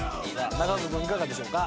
永岡君いかがでしょうか？